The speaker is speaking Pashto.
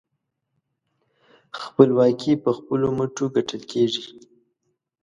خپلواکي په خپلو مټو ګټل کېږي.